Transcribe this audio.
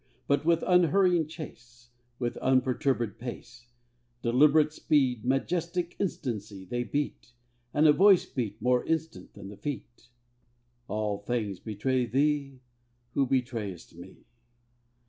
But with unhurrying chase, And unperturbèd pace, Deliberate speed, majestic instancy, They beat and a Voice beat More instant than the Feet "All things betray thee, who betrayest Me."